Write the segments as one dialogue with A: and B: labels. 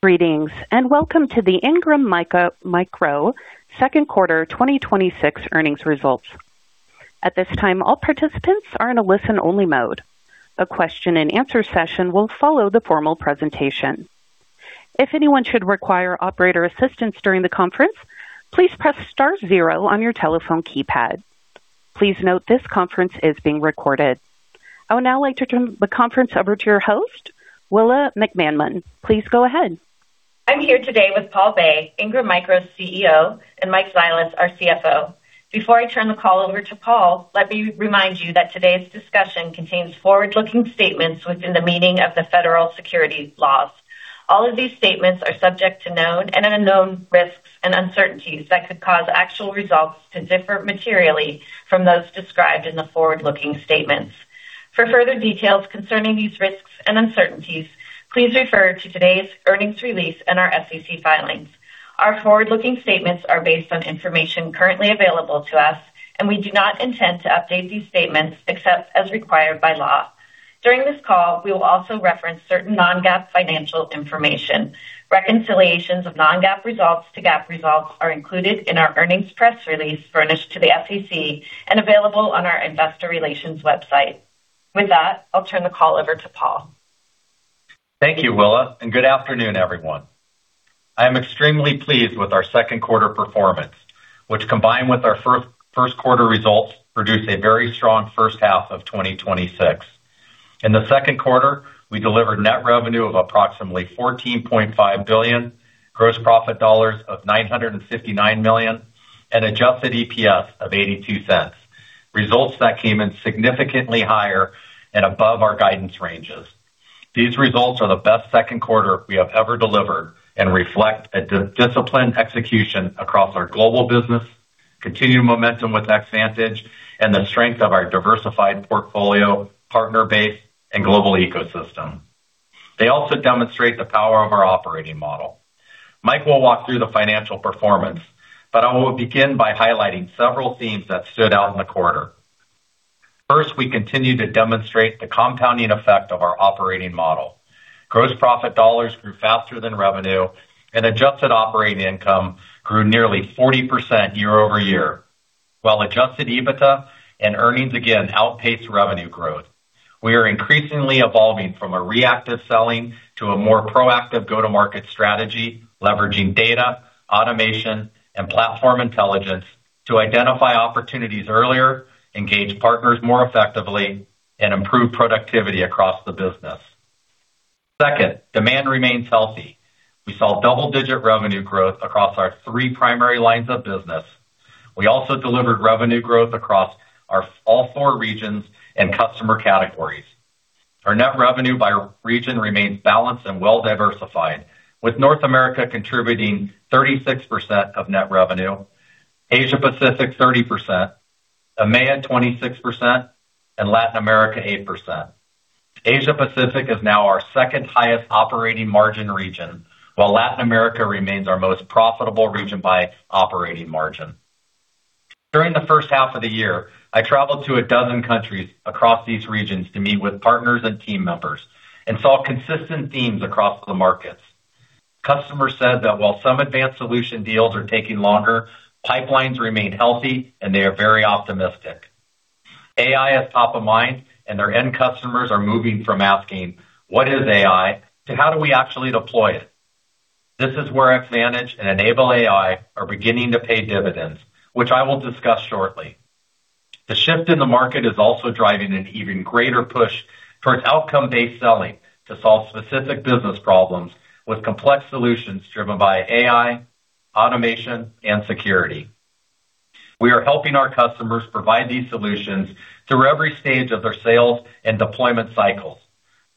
A: Greetings. Welcome to the Ingram Micro second quarter 2026 earnings results. At this time, all participants are in a listen-only mode. A question and answer session will follow the formal presentation. If anyone should require operator assistance during the conference, please press star zero on your telephone keypad. Please note this conference is being recorded. I would now like to turn the conference over to your host, Willa McManmon. Please go ahead.
B: I'm here today with Paul Bay, Ingram Micro's CEO, and Mike Zilis, our CFO. Before I turn the call over to Paul, let me remind you that today's discussion contains forward-looking statements within the meaning of the federal securities laws. All of these statements are subject to known and unknown risks and uncertainties that could cause actual results to differ materially from those described in the forward-looking statements. For further details concerning these risks and uncertainties, please refer to today's earnings release and our SEC filings. Our forward-looking statements are based on information currently available to us, and we do not intend to update these statements except as required by law. During this call, we will also reference certain non-GAAP financial information. Reconciliations of non-GAAP results to GAAP results are included in our earnings press release furnished to the SEC and available on our investor relations website. With that, I'll turn the call over to Paul.
C: Thank you, Willa. Good afternoon, everyone. I am extremely pleased with our second quarter performance, which combined with our first quarter results produced a very strong first half of 2026. In the second quarter, we delivered net revenue of approximately $14.5 billion, gross profit dollars of $959 million, and adjusted EPS of $0.82, results that came in significantly higher and above our guidance ranges. These results are the best second quarter we have ever delivered and reflect a disciplined execution across our global business, continued momentum with Xvantage, and the strength of our diversified portfolio, partner base, and global ecosystem. They also demonstrate the power of our operating model. Mike will walk through the financial performance. I will begin by highlighting several themes that stood out in the quarter. First, we continue to demonstrate the compounding effect of our operating model. Gross profit dollars grew faster than revenue, adjusted operating income grew nearly 40% year-over-year, while adjusted EBITDA and earnings again outpaced revenue growth. We are increasingly evolving from a reactive selling to a more proactive go-to-market strategy, leveraging data, automation, and platform intelligence to identify opportunities earlier, engage partners more effectively, and improve productivity across the business. Second, demand remains healthy. We saw double-digit revenue growth across our three primary lines of business. We also delivered revenue growth across all four regions and customer categories. Our net revenue by region remains balanced and well-diversified, with North America contributing 36% of net revenue, Asia Pacific 30%, EMEA 26%, and Latin America 8%. Asia Pacific is now our second highest operating margin region, while Latin America remains our most profitable region by operating margin. During the first half of the year, I traveled to a dozen countries across these regions to meet with partners and team members saw consistent themes across the markets. Customers said that while some Advanced Solutions deals are taking longer, pipelines remain healthy, they are very optimistic. AI is top of mind, their end customers are moving from asking, "What is AI?" to "How do we actually deploy it?" This is where Xvantage and Enable AI are beginning to pay dividends, which I will discuss shortly. The shift in the market is also driving an even greater push towards outcome-based selling to solve specific business problems with complex solutions driven by AI, automation, and security. We are helping our customers provide these solutions through every stage of their sales and deployment cycles,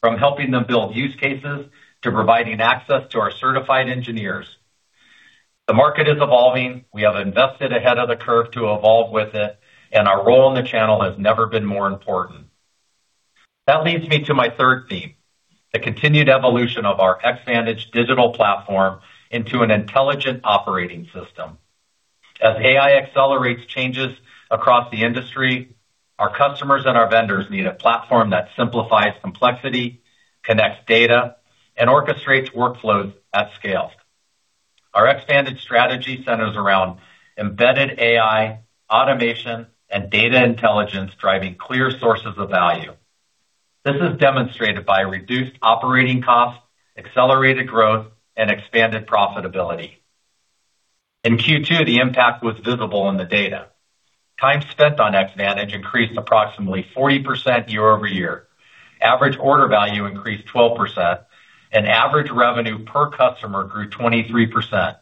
C: from helping them build use cases to providing access to our certified engineers. The market is evolving. We have invested ahead of the curve to evolve with it, our role in the channel has never been more important. That leads me to my third theme, the continued evolution of our Xvantage digital platform into an intelligent operating system. As AI accelerates changes across the industry, our customers and our vendors need a platform that simplifies complexity, connects data, and orchestrates workflows at scale. Our Xvantage strategy centers around embedded AI, automation, and data intelligence driving clear sources of value. This is demonstrated by reduced operating costs, accelerated growth, and expanded profitability. In Q2, the impact was visible in the data. Time spent on Xvantage increased approximately 40% year-over-year. Average order value increased 12%, average revenue per customer grew 23%,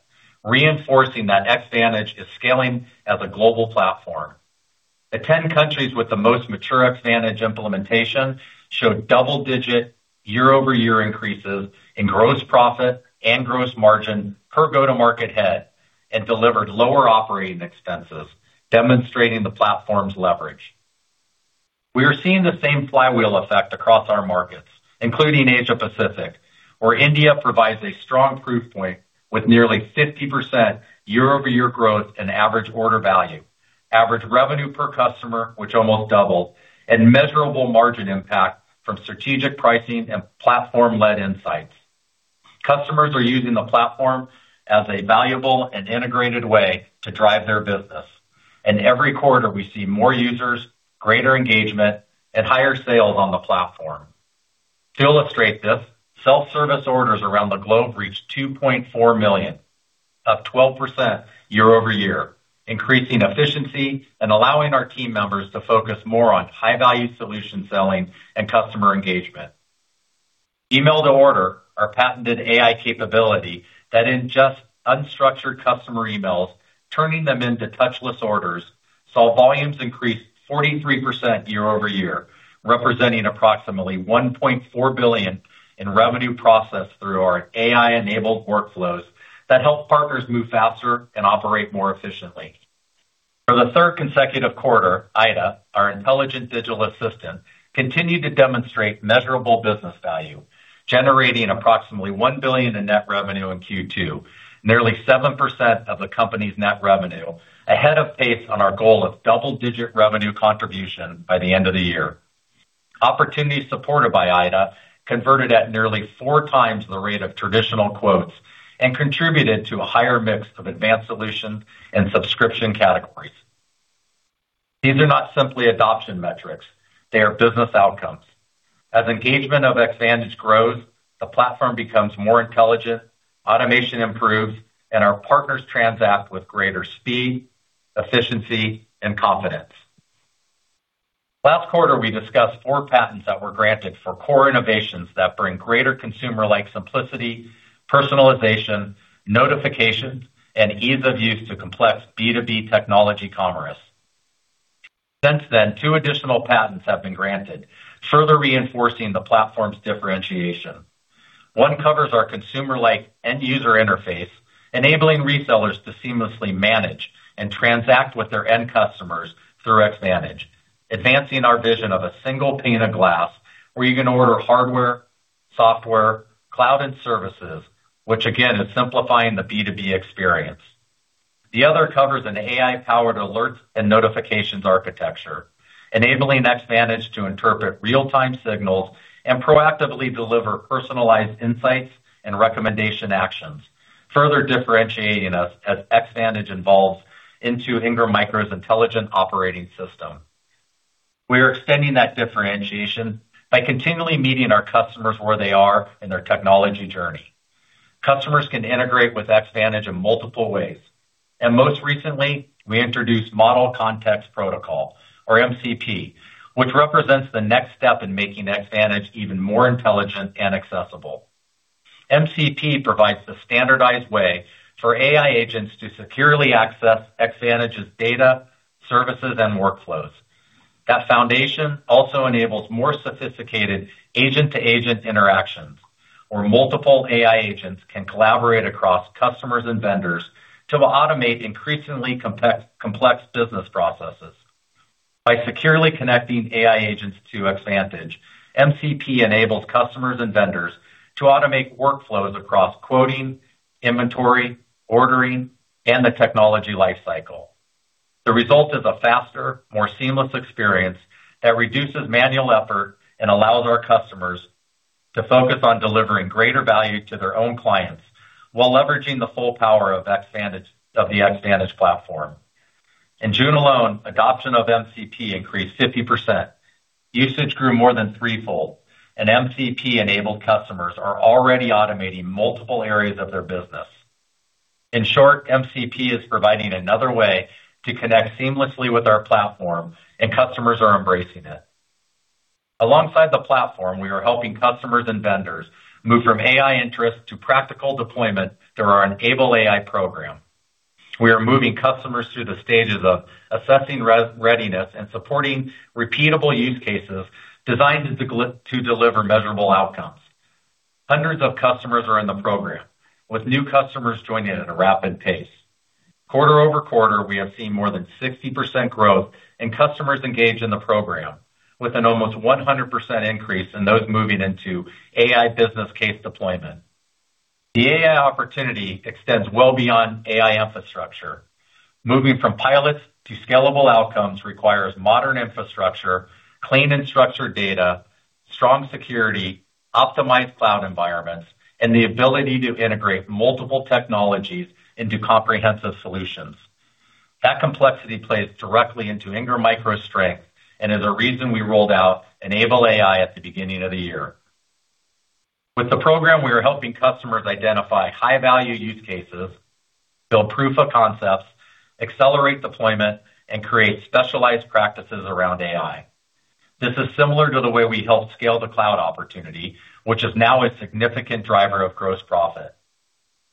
C: reinforcing that Xvantage is scaling as a global platform. The 10 countries with the most mature Xvantage implementation showed double-digit year-over-year increases in gross profit and gross margin per go-to-market head delivered lower operating expenses, demonstrating the platform's leverage. We are seeing the same flywheel effect across our markets, including Asia Pacific, where India provides a strong proof point with nearly 50% year-over-year growth in average order value. Average revenue per customer, which almost doubled, measurable margin impact from strategic pricing and platform-led insights. Customers are using the platform as a valuable and integrated way to drive their business. Every quarter we see more users, greater engagement, and higher sales on the platform. To illustrate this, self-service orders around the globe reached 2.4 million, up 12% year-over-year, increasing efficiency and allowing our team members to focus more on high-value solution selling and customer engagement. Email-to-Order, our patented AI capability that ingests unstructured customer emails, turning them into touchless orders, saw volumes increase 43% year-over-year, representing approximately $1.4 billion in revenue processed through our AI-enabled workflows that help partners move faster and operate more efficiently. For the third consecutive quarter, IDA, our Intelligent Digital Assistant, continued to demonstrate measurable business value, generating approximately $1 billion in net revenue in Q2, nearly 7% of the company's net revenue, ahead of pace on our goal of double-digit revenue contribution by the end of the year. Opportunities supported by IDA converted at nearly four times the rate of traditional quotes and contributed to a higher mix of Advanced Solutions and subscription categories. These are not simply adoption metrics, they are business outcomes. As engagement of Xvantage grows, the platform becomes more intelligent, automation improves, and our partners transact with greater speed, efficiency, and confidence. Last quarter, we discussed four patents that were granted for core innovations that bring greater consumer-like simplicity, personalization, notifications, and ease of use to complex B2B technology commerce. Since then, two additional patents have been granted, further reinforcing the platform's differentiation. One covers our consumer-like end-user interface, enabling resellers to seamlessly manage and transact with their end customers through Xvantage, advancing our vision of a single pane of glass where you can order hardware, software, cloud, and services, which again is simplifying the B2B experience. The other covers an AI-powered alerts and notifications architecture, enabling Xvantage to interpret real-time signals and proactively deliver personalized insights and recommendation actions, further differentiating us as Xvantage evolves into Ingram Micro's intelligent operating system. We are extending that differentiation by continually meeting our customers where they are in their technology journey. Customers can integrate with Xvantage in multiple ways. Most recently, we introduced Model Context Protocol, or MCP, which represents the next step in making Xvantage even more intelligent and accessible. MCP provides the standardized way for AI agents to securely access Xvantage's data, services, and workflows. That foundation also enables more sophisticated agent-to-agent interactions, where multiple AI agents can collaborate across customers and vendors to automate increasingly complex business processes. By securely connecting AI agents to Xvantage, MCP enables customers and vendors to automate workflows across quoting, inventory, ordering, and the technology lifecycle. The result is a faster, more seamless experience that reduces manual effort and allows our customers to focus on delivering greater value to their own clients while leveraging the full power of the Xvantage platform. In June alone, adoption of MCP increased 50%. Usage grew more than threefold. MCP-enabled customers are already automating multiple areas of their business. In short, MCP is providing another way to connect seamlessly with our platform, and customers are embracing it. Alongside the platform, we are helping customers and vendors move from AI interest to practical deployment through our Enable AI program. We are moving customers through the stages of assessing readiness and supporting repeatable use cases designed to deliver measurable outcomes. Hundreds of customers are in the program, with new customers joining in at a rapid pace. Quarter-over-quarter, we have seen more than 60% growth in customers engaged in the program, with an almost 100% increase in those moving into AI business case deployment. The AI opportunity extends well beyond AI infrastructure. Moving from pilots to scalable outcomes requires modern infrastructure, clean and structured data, strong security, optimized cloud environments, and the ability to integrate multiple technologies into comprehensive solutions. That complexity plays directly into Ingram Micro's strength and is a reason we rolled out Enable AI at the beginning of the year. With the program, we are helping customers identify high-value use cases, build proof of concepts, accelerate deployment, and create specialized practices around AI. This is similar to the way we helped scale the cloud opportunity, which is now a significant driver of gross profit.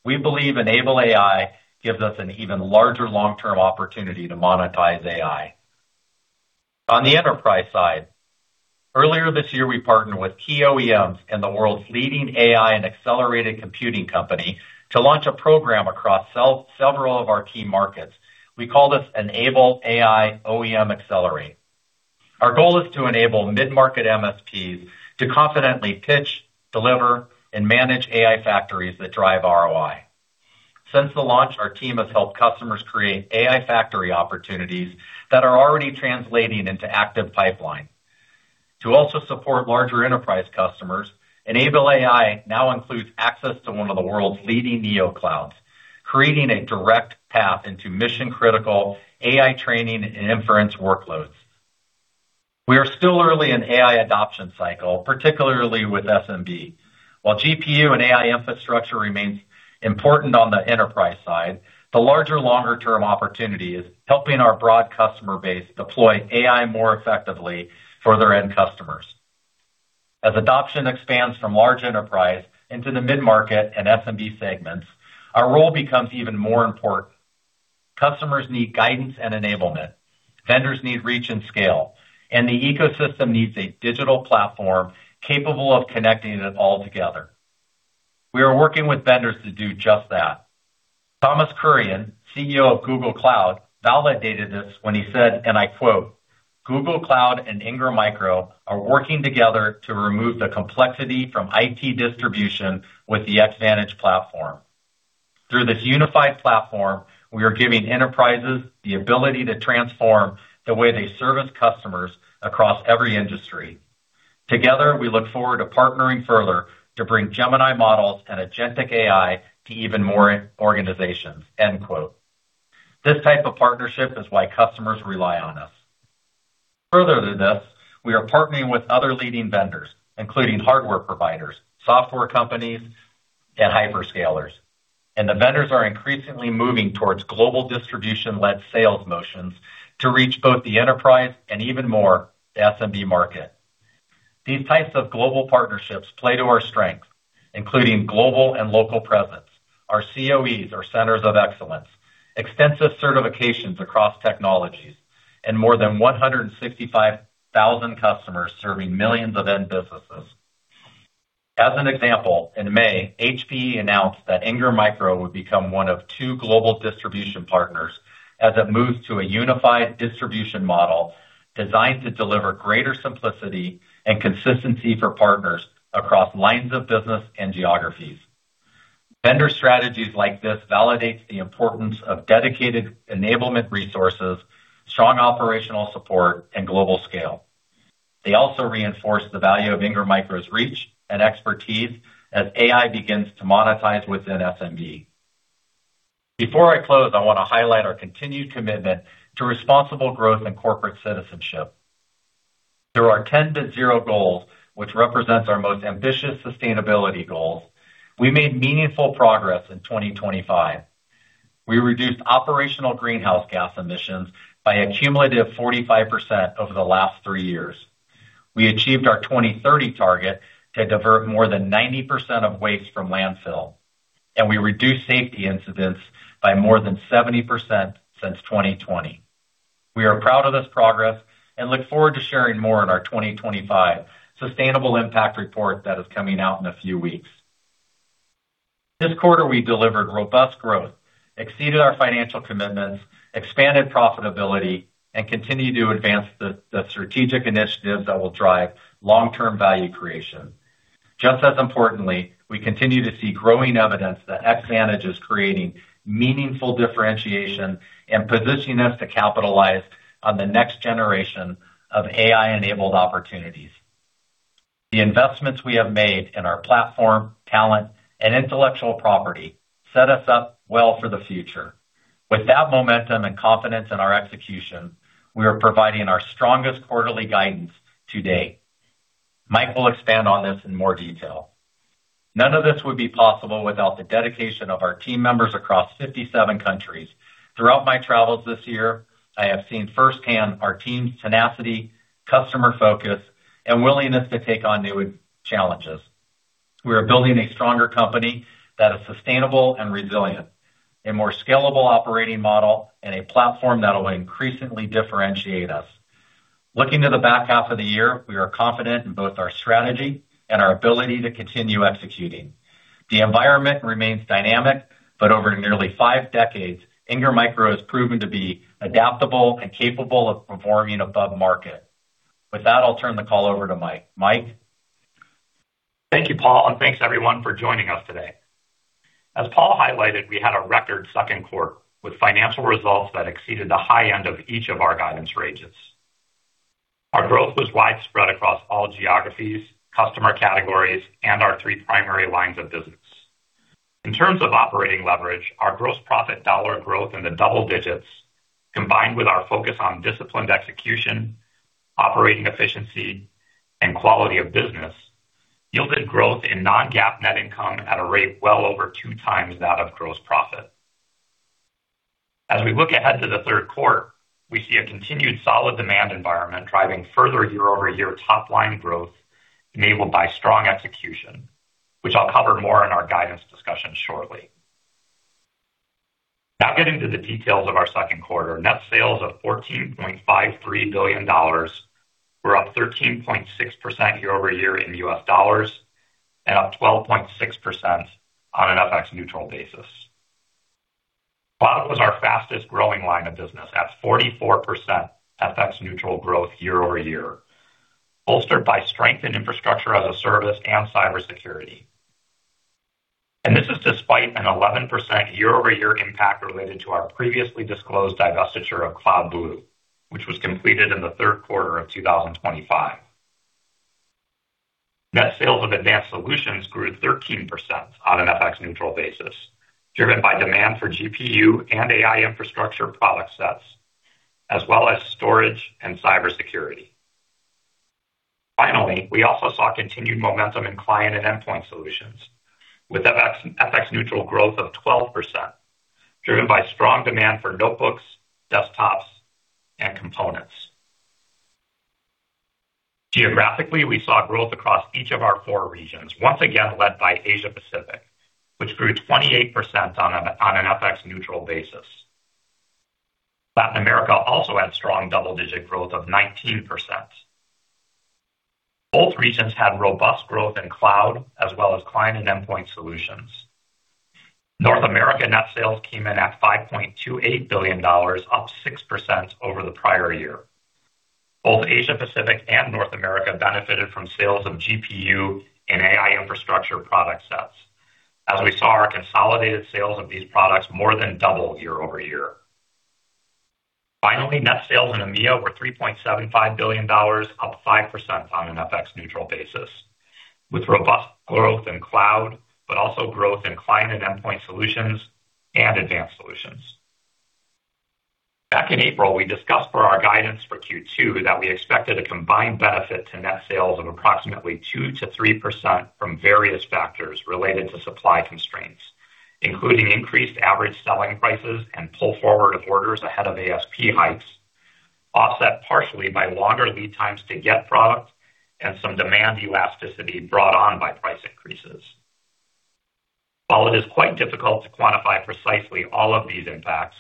C: We believe Enable AI gives us an even larger long-term opportunity to monetize AI. On the enterprise side, earlier this year, we partnered with key OEMs and the world's leading AI and accelerated computing company to launch a program across several of our key markets. We call this Enable AI OEM Accelerate. Our goal is to enable mid-market MSPs to confidently pitch, deliver, and manage AI factories that drive ROI. Since the launch, our team has helped customers create AI factory opportunities that are already translating into active pipeline. To also support larger enterprise customers, Enable AI now includes access to one of the world's leading neoclouds, creating a direct path into mission-critical AI training and inference workloads. We are still early in AI adoption cycle, particularly with SMB. While GPU and AI infrastructure remains important on the enterprise side, the larger longer-term opportunity is helping our broad customer base deploy AI more effectively for their end customers. As adoption expands from large enterprise into the mid-market and SMB segments, our role becomes even more important. Customers need guidance and enablement, vendors need reach and scale, the ecosystem needs a digital platform capable of connecting it all together. We are working with vendors to do just that. Thomas Kurian, CEO of Google Cloud, validated this when he said, and I quote, "Google Cloud and Ingram Micro are working together to remove the complexity from IT distribution with the Xvantage platform. Through this unified platform, we are giving enterprises the ability to transform the way they service customers across every industry. Together, we look forward to partnering further to bring Gemini models and agentic AI to even more organizations." End quote. This type of partnership is why customers rely on us. Further to this, we are partnering with other leading vendors, including hardware providers, software companies, and hyperscalers, the vendors are increasingly moving towards global distribution-led sales motions to reach both the enterprise and even more SMB market. These types of global partnerships play to our strength, including global and local presence, our COEs or Centers of Excellence, extensive certifications across technologies, and more than 165,000 customers serving millions of end businesses. As an example, in May, HPE announced that Ingram Micro would become one of two global distribution partners as it moves to a unified distribution model designed to deliver greater simplicity and consistency for partners across lines of business and geographies. Vendor strategies like this validates the importance of dedicated enablement resources, strong operational support, and global scale. They also reinforce the value of Ingram Micro's reach and expertise as AI begins to monetize within SMB. Before I close, I want to highlight our continued commitment to responsible growth and corporate citizenship. Through our 10 to zero goals, which represents our most ambitious sustainability goals, we made meaningful progress in 2025. We reduced operational greenhouse gas emissions by a cumulative 45% over the last three years. We achieved our 2030 target to divert more than 90% of waste from landfill, and we reduced safety incidents by more than 70% since 2020. We are proud of this progress and look forward to sharing more in our 2025 Sustainable Impact Report that is coming out in a few weeks. This quarter, we delivered robust growth, exceeded our financial commitments, expanded profitability, and continue to advance the strategic initiatives that will drive long-term value creation. Just as importantly, we continue to see growing evidence that Xvantage is creating meaningful differentiation and positioning us to capitalize on the next generation of AI-enabled opportunities. The investments we have made in our platform, talent, and intellectual property set us up well for the future. With that momentum and confidence in our execution, we are providing our strongest quarterly guidance to date. Mike will expand on this in more detail. None of this would be possible without the dedication of our team members across 57 countries. Throughout my travels this year, I have seen firsthand our team's tenacity, customer focus, and willingness to take on new challenges. We are building a stronger company that is sustainable and resilient, a more scalable operating model, and a platform that will increasingly differentiate us. Looking at the back half of the year we are confident in both our strategy and our ability to continue executing. The environment remains dynamic but over nearly five decades, Ingram Micro has proven to be adaptable and capable of performing above market. With that, I'll turn the call over to Mike. Mike?
D: Thank you, Paul, and thanks everyone for joining us today. As Paul highlighted, we had a record second quarter with financial results that exceeded the high end of each of our guidance ranges. Our growth was widespread across all geographies, customer categories, and our three primary lines of business. In terms of operating leverage, our gross profit dollar growth in the double digits, combined with our focus on disciplined execution, operating efficiency, and quality of business, yielded growth in non-GAAP net income at a rate well over 2x that of gross profit. As we look ahead to the third quarter, we see a continued solid demand environment driving further year-over-year top-line growth enabled by strong execution, which I'll cover more in our guidance discussion shortly. Now getting to the details of our second quarter. Net sales of $14.53 billion. We're up 13.6% year-over-year in U.S. dollars and up 12.6% on an FX neutral basis. Cloud was our fastest growing line of business at 44% FX neutral growth year-over-year, bolstered by strength in Infrastructure-as-a-Service and cybersecurity. This is despite an 11% year-over-year impact related to our previously disclosed divestiture of CloudBlue, which was completed in the third quarter of 2025. Net sales of Advanced Solutions grew 13% on an FX neutral basis, driven by demand for GPU and AI infrastructure product sets, as well as storage and cybersecurity. Finally, we also saw continued momentum in Client and Endpoint Solutions with FX neutral growth of 12%, driven by strong demand for notebooks, desktops, and components. Geographically, we saw growth across each of our four regions, once again led by Asia-Pacific, which grew 28% on an FX neutral basis. Latin America also had strong double-digit growth of 19%. Both regions had robust growth in Cloud as well as Client and Endpoint Solutions. North America net sales came in at $5.28 billion, up 6% over the prior year. Both Asia-Pacific and North America benefited from sales of GPU and AI infrastructure product sets. We saw our consolidated sales of these products more than double year-over-year. Finally, net sales in EMEA were $3.75 billion, up 5% on an FX neutral basis, with robust growth in cloud, also growth in Client and Endpoint Solutions and Advanced Solutions. Back in April, we discussed for our guidance for Q2 that we expected a combined benefit to net sales of approximately 2%-3% from various factors related to supply constraints, including increased average selling prices and pull forward of orders ahead of ASP hikes, offset partially by longer lead times to get product and some demand elasticity brought on by price increases. While it is quite difficult to quantify precisely all of these impacts,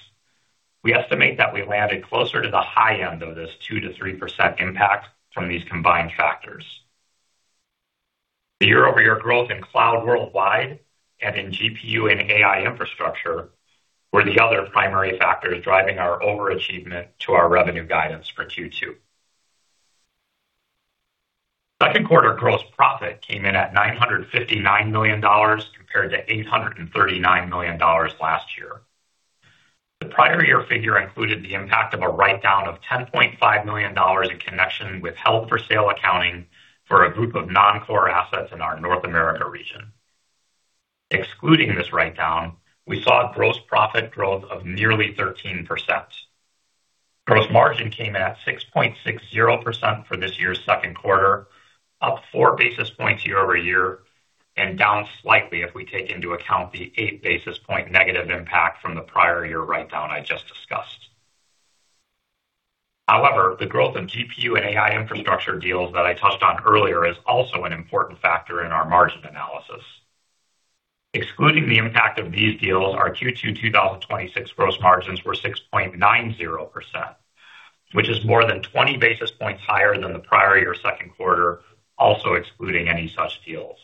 D: we estimate that we landed closer to the high end of this 2%-3% impact from these combined factors. The year-over-year growth in cloud worldwide and in GPU and AI infrastructure were the other primary factors driving our overachievement to our revenue guidance for Q2. Second quarter gross profit came in at $959 million, compared to $839 million last year. The prior year figure included the impact of a write-down of $10.5 million in connection with held for sale accounting for a group of non-core assets in our North America region. Excluding this write-down, we saw gross profit growth of nearly 13%. Gross margin came in at 6.60% for this year's second quarter, up 4 basis points year-over-year, down slightly if we take into account the 8 basis point negative impact from the prior year write-down I just discussed. However, the growth in GPU and AI infrastructure deals that I touched on earlier is also an important factor in our margin analysis. Excluding the impact of these deals, our Q2 2026 gross margins were 6.90%, which is more than 20 basis points higher than the prior year second quarter, also excluding any such deals.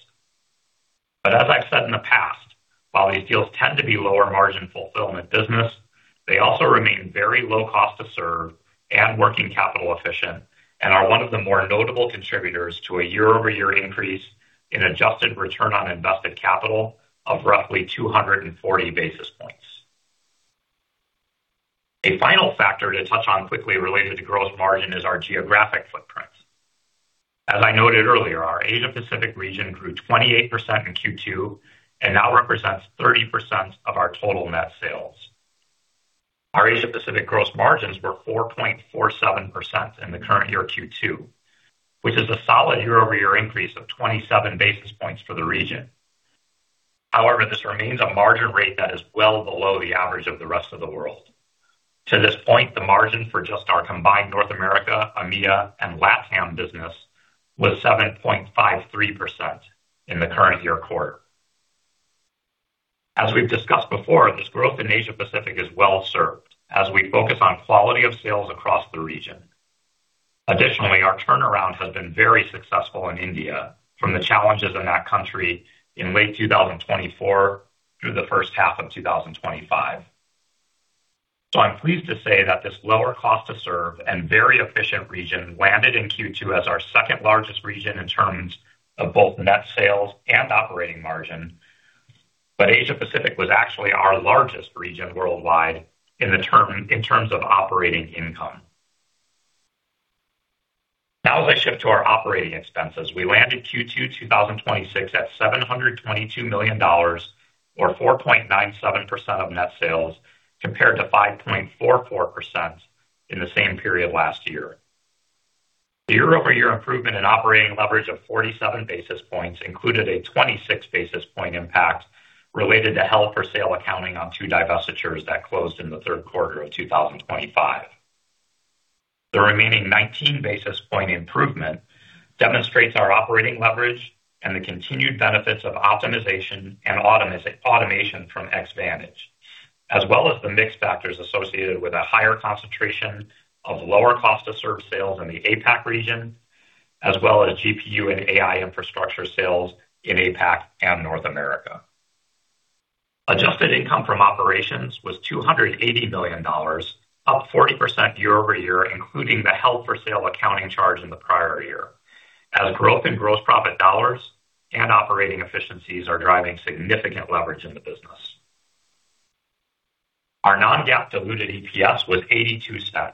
D: As I've said in the past, while these deals tend to be lower margin fulfillment business, they also remain very low cost to serve and working capital efficient and are one of the more notable contributors to a year-over-year increase in adjusted return on invested capital of roughly 240 basis points. A final factor to touch on quickly related to gross margin is our geographic footprint. I noted earlier, our Asia-Pacific region grew 28% in Q2 and now represents 30% of our total net sales. Our Asia-Pacific gross margins were 4.47% in the current year Q2, which is a solid year-over-year increase of 27 basis points for the region. However, this remains a margin rate that is well below the average of the rest of the world. To this point, the margin for just our combined North America, EMEA, and LatAm business was 7.53% in the current year quarter. We've discussed before, this growth in Asia-Pacific is well-served as we focus on quality of sales across the region. Additionally, our turnaround has been very successful in India from the challenges in that country in late 2024 through the first half of 2025. I'm pleased to say that this lower cost to serve and very efficient region landed in Q2 as our second largest region in terms of both net sales and operating margin. Asia-Pacific was actually our largest region worldwide in terms of operating income. As I shift to our operating expenses, we landed Q2 2026 at $722 million, or 4.97% of net sales, compared to 5.44% in the same period last year. The year-over-year improvement in operating leverage of 47 basis points included a 26 basis point impact related to held for sale accounting on two divestitures that closed in the third quarter of 2025. The remaining 19 basis point improvement demonstrates our operating leverage and the continued benefits of optimization and automation from Xvantage, as well as the mix factors associated with a higher concentration of lower cost to serve sales in the APAC region as well as GPU and AI infrastructure sales in APAC and North America. Adjusted income from operations was $280 million, up 40% year-over-year, including the held for sale accounting charge in the prior year, as growth in gross profit dollars and operating efficiencies are driving significant leverage in the business. Our non-GAAP diluted EPS was $0.82,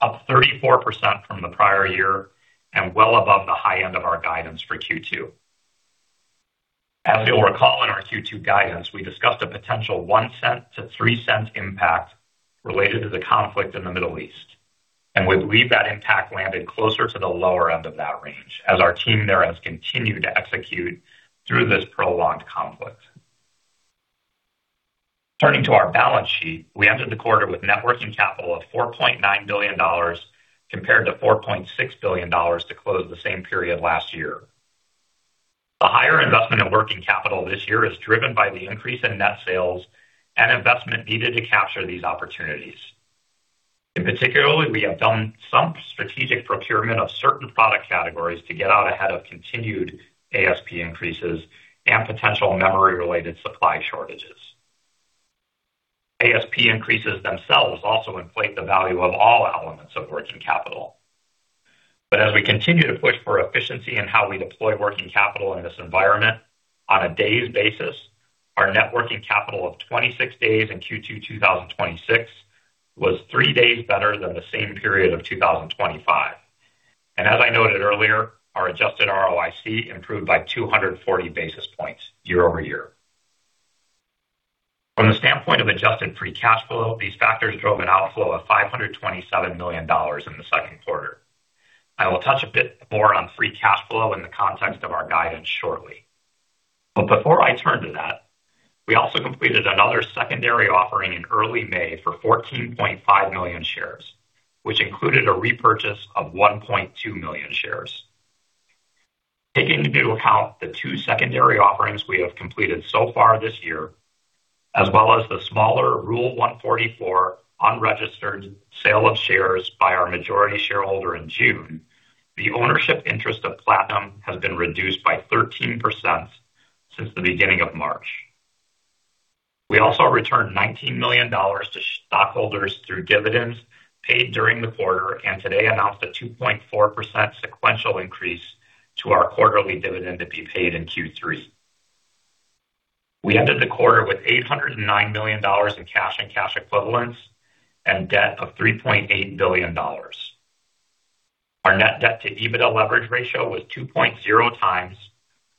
D: up 34% from the prior year and well above the high end of our guidance for Q2. You'll recall, in our Q2 guidance, we discussed a potential $0.01-$0.03 impact related to the conflict in the Middle East, and we believe that impact landed closer to the lower end of that range as our team there has continued to execute through this prolonged conflict. Turning to our balance sheet, we entered the quarter with net working capital of $4.9 billion, compared to $4.6 billion to close the same period last year. The higher investment in working capital this year is driven by the increase in net sales and investment needed to capture these opportunities. In particular, we have done some strategic procurement of certain product categories to get out ahead of continued ASP increases and potential memory-related supply shortages. ASP increases themselves also inflate the value of all elements of working capital. As we continue to push for efficiency in how we deploy working capital in this environment, on a days basis, our net working capital of 26 days in Q2 2026 was three days better than the same period of 2025. As I noted earlier, our adjusted ROIC improved by 240 basis points year-over-year. From the standpoint of adjusted free cash flow, these factors drove an outflow of $527 million in the second quarter. I will touch a bit more on free cash flow in the context of our guidance shortly. Before I turn to that, we also completed another secondary offering in early May for 14.5 million shares, which included a repurchase of 1.2 million shares. Taking into account the two secondary offerings we have completed so far this year, as well as the smaller Rule 144 unregistered sale of shares by our majority shareholder in June, the ownership interest of Platinum Equity has been reduced by 13% since the beginning of March. We also returned $19 million to stockholders through dividends paid during the quarter and today announced a 2.4% sequential increase to our quarterly dividend to be paid in Q3. We entered the quarter with $809 million in cash and cash equivalents and debt of $3.8 billion. Our net debt to EBITDA leverage ratio was 2.0x,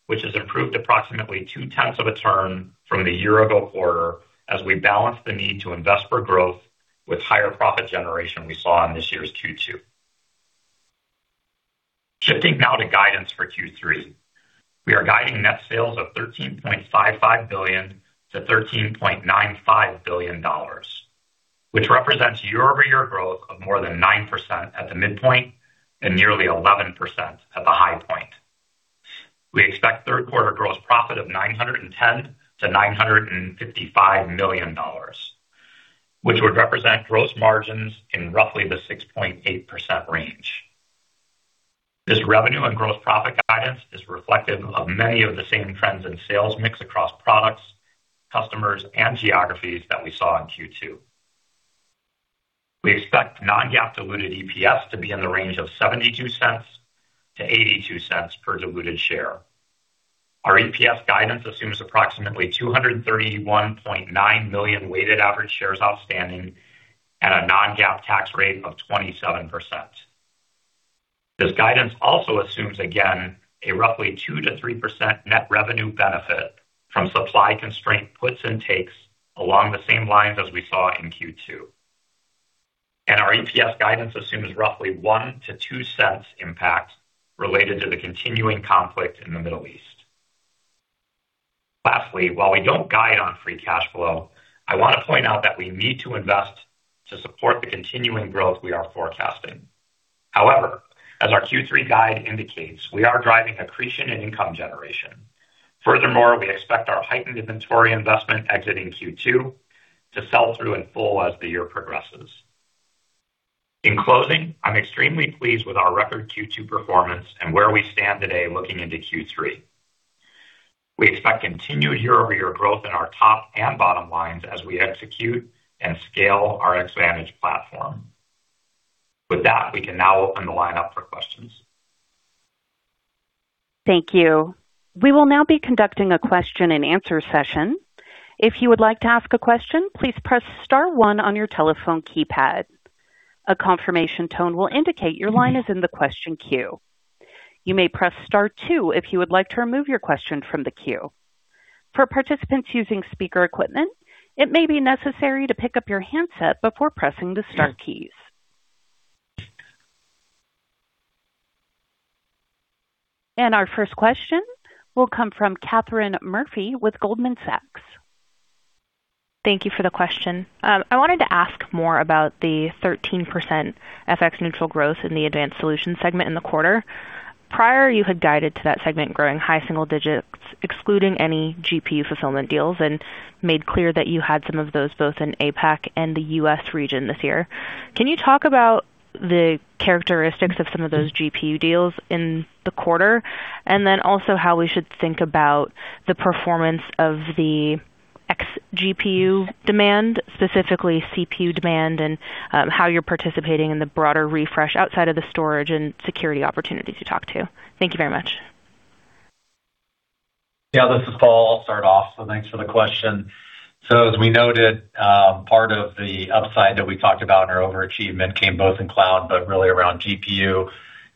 D: which has improved approximately 2/10 of a turn from the year-ago quarter as we balance the need to invest for growth with higher profit generation we saw in this year's Q2. Shifting now to guidance for Q3. We are guiding net sales of $13.55 billion-$13.95 billion, which represents year-over-year growth of more than 9% at the midpoint and nearly 11% at the high point. We expect third quarter gross profit of $910 million-$955 million, which would represent gross margins in roughly the 6.8% range. This revenue and gross profit guidance is reflective of many of the same trends in sales mix across products, customers, and geographies that we saw in Q2. We expect non-GAAP diluted EPS to be in the range of $0.72-$0.82 per diluted share. Our EPS guidance assumes approximately 231.9 million weighted average shares outstanding and a non-GAAP tax rate of 27%. This guidance also assumes, again, a roughly 2%-3% net revenue benefit from supply constraint puts and takes along the same lines as we saw in Q2. Our EPS guidance assumes roughly $0.01-$0.02 impact related to the continuing conflict in the Middle East. Lastly, while we don't guide on free cash flow, I want to point out that we need to invest to support the continuing growth we are forecasting. However, as our Q3 guide indicates, we are driving accretion and income generation. Furthermore, we expect our heightened inventory investment exiting Q2 to sell through in full as the year progresses. In closing, I'm extremely pleased with our record Q2 performance and where we stand today looking into Q3. We expect continued year-over-year growth in our top and bottom lines as we execute and scale our Xvantage platform. With that, we can now open the line up for questions.
A: Thank you. We will now be conducting a question and answer session. If you would like to ask a question, please press star one on your telephone keypad. A confirmation tone will indicate your line is in the question queue. You may press star two if you would like to remove your question from the queue. For participants using speaker equipment, it may be necessary to pick up your handset before pressing the star keys. Our first question will come from Katherine Murphy with Goldman Sachs.
E: Thank you for the question. I wanted to ask more about the 13% FX neutral growth in the Advanced Solutions segment in the quarter. Prior, you had guided to that segment growing high single digits excluding any GPU fulfillment deals, and made clear that you had some of those both in APAC and the U.S. region this year. Can you talk about the characteristics of some of those GPU deals in the quarter, and then also how we should think about the performance of the ex-GPU demand, specifically CPU demand, and how you're participating in the broader refresh outside of the storage and security opportunities you talked to? Thank you very much.
C: Yeah, this is Paul. I'll start off. Thanks for the question. As we noted, part of the upside that we talked about in our overachievement came both in cloud but really around GPU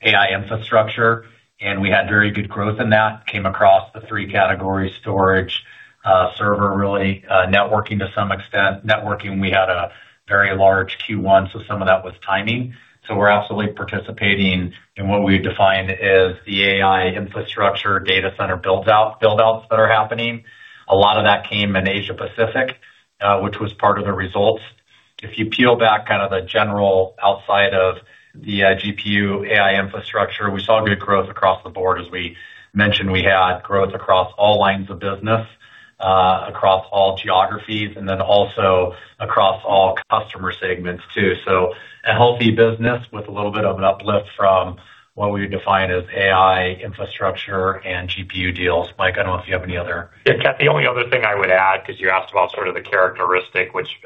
C: AI infrastructure, and we had very good growth in that. Came across the three categories: storage, server, really networking to some extent. Networking, we had a very large Q1. Some of that was timing. We're absolutely participating in what we define as the AI infrastructure data center build-outs that are happening. A lot of that came in Asia-Pacific, which was part of the results. If you peel back the general outside of the GPU AI infrastructure, we saw good growth across the board. As we mentioned, we had growth across all lines of business, across all geographies, and then also across all customer segments too. A healthy business with a little bit of an uplift from what we would define as AI infrastructure and GPU deals. Mike, I don't know if you have any other-
D: Yeah, Kat, the only other thing I would add, because you asked about sort of the characteristic, which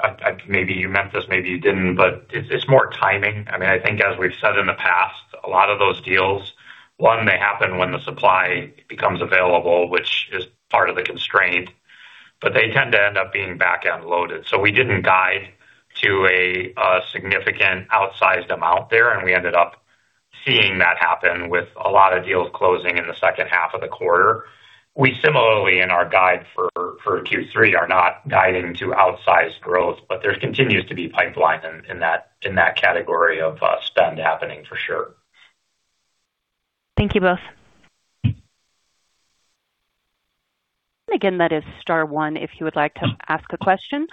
D: maybe you meant this, maybe you didn't, but it's more timing. I think as we've said in the past, a lot of those deals, one, they happen when the supply becomes available, which is part of the constraint, but they tend to end up being back-end loaded. We didn't guide to a significant outsized amount there, and we ended up seeing that happen with a lot of deals closing in the second half of the quarter. We similarly, in our guide for Q3, are not guiding to outsized growth, but there continues to be pipeline in that category of spend happening for sure.
E: Thank you both.
A: Again, that is star one if you would like to ask a question.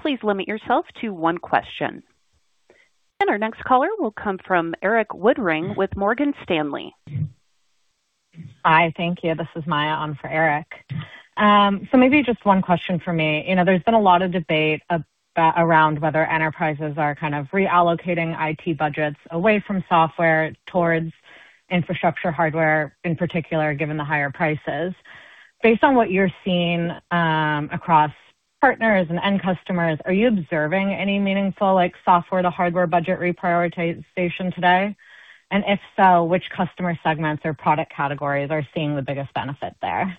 A: Please limit yourself to one question. Our next caller will come from Erik Woodring with Morgan Stanley.
F: Hi. Thank you. This is Maya on for Erik. Maybe just one question for me. There's been a lot of debate around whether enterprises are kind of reallocating IT budgets away from software towards infrastructure hardware, in particular, given the higher prices. Based on what you're seeing across partners and end customers, are you observing any meaningful software-to-hardware budget reprioritization today? If so, which customer segments or product categories are seeing the biggest benefit there?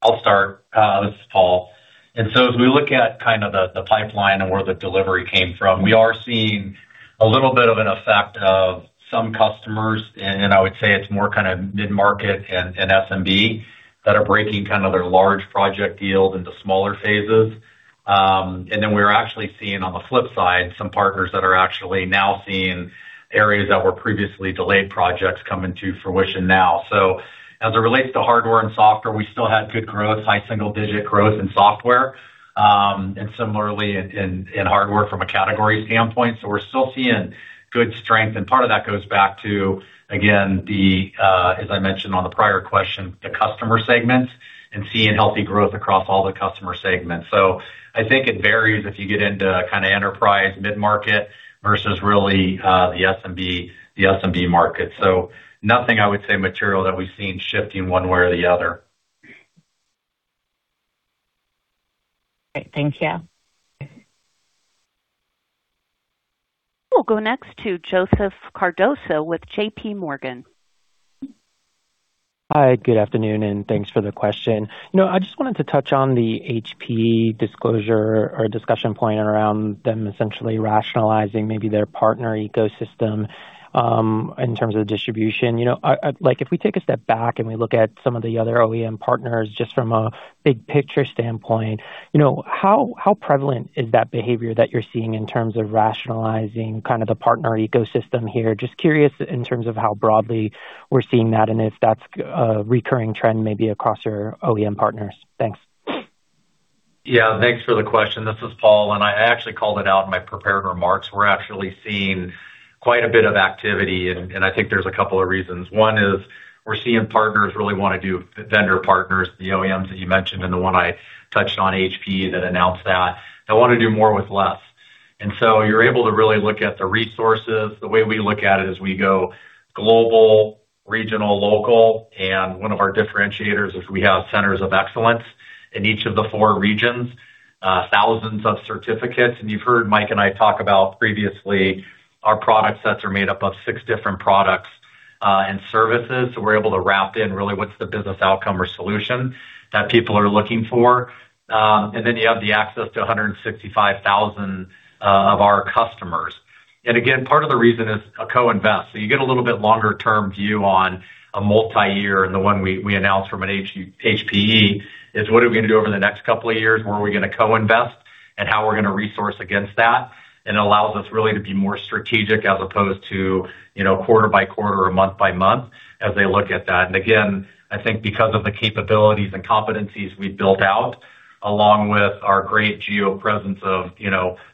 C: I'll start. This is Paul. As we look at the pipeline and where the delivery came from, we are seeing a little bit of an effect of some customers, and I would say it's more mid-market and SMB, that are breaking their large project deals into smaller phases. We're actually seeing on the flip side, some partners that are actually now seeing areas that were previously delayed projects coming to fruition now. As it relates to hardware and software, we still had good growth, high single-digit growth in software, and similarly in hardware from a category standpoint. We're still seeing good strength, and part of that goes back to, again, as I mentioned on the prior question, the customer segments and seeing healthy growth across all the customer segments. I think it varies if you get into enterprise mid-market versus really the SMB market. Nothing I would say material that we've seen shifting one way or the other.
F: Great. Thank you.
A: We'll go next to Joseph Cardoso with JPMorgan.
G: Hi, good afternoon, and thanks for the question. I just wanted to touch on the HPE disclosure or discussion point around them essentially rationalizing maybe their partner ecosystem in terms of distribution. If we take a step back and we look at some of the other OEM partners, just from a big picture standpoint, how prevalent is that behavior that you're seeing in terms of rationalizing the partner ecosystem here? Just curious in terms of how broadly we're seeing that and if that's a recurring trend maybe across your OEM partners. Thanks.
C: Yeah. Thanks for the question. This is Paul. I actually called it out in my prepared remarks. We're actually seeing quite a bit of activity. I think there's a couple of reasons. One is we're seeing partners really want to do vendor partners, the OEMs that you mentioned and the one I touched on, HPE, that announced that, they want to do more with less. You're able to really look at the resources. The way we look at it is we go global, regional, local. One of our differentiators is we have Centers of Excellence in each of the four regions, thousands of certificates. You've heard Mike and I talk about previously our product sets are made up of six different products and services. We're able to wrap in really what's the business outcome or solution that people are looking for. You have the access to 165,000 of our customers. Again, part of the reason is a co-invest. You get a little bit longer-term view on a multi-year. The one we announced from HPE is what are we going to do over the next couple of years, where are we going to co-invest, and how we're going to resource against that. It allows us really to be more strategic as opposed to quarter by quarter or month by month as they look at that. Again, I think because of the capabilities and competencies we've built out, along with our great geo presence of